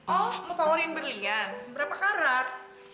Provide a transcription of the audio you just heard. oh mau tawarin berlian berapa karat